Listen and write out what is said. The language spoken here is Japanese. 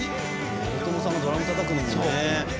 大友さんがドラムをたたくのもね。